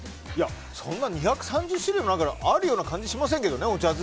そんな２３０種類もあるような感じがしませんけどね。